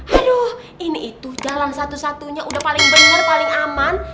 aduh ini itu jalan satu satunya udah paling benar paling aman